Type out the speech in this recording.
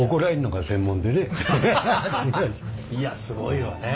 いやすごいわね。